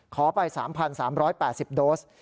ขอไป๓๓๘๐โดส